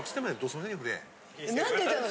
何て言ったの？